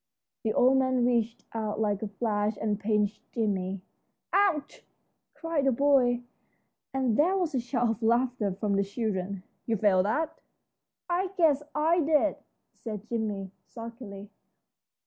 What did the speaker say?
The old man reached out like a flash and pinched Jimmie. "Ouch!" cried the boy, and there was a shout of laughter from the children. "You felt that?" "I guess I did," said Jim, sulkily.